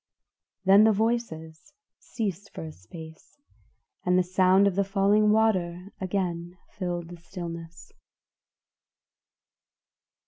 Then the voices ceased for a space, and the sound of the falling water again filled the stillness.